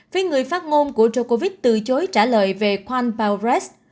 phía người phát ngôn của trợ covid từ chối trả lời về quang biores